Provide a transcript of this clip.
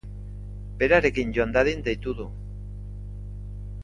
Berarekin joan dadin deitu du.